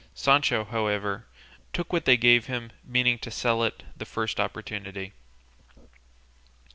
Sancho, however, took what they gave him, meaning to sell it at the first opportunity.